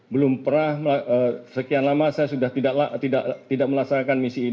belum pernah sekian lama saya sudah tidak melaksanakan misi ini